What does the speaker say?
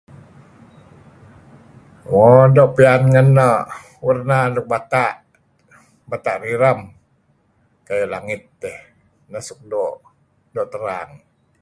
um do pian ngen um warna nuk bata bata riram ku'ayu langit dih neh suk do do terang